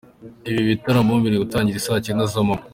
Ibi bitaramo biri gutangira i saa cyenda z’amanywa.